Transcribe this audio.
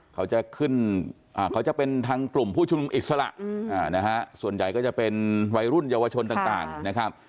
เขาจะขึ้นเขาจะเป็นทางกลุ่มผู้ชุมนุมอิสระนะฮะส่วนใหญ่ก็จะเป็นวัยรุ่นเยาวชนต่างนะครับ